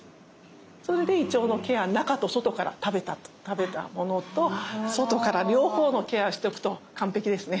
それで胃腸のケア中と外から食べたものと外から両方のケアしとくと完璧ですね。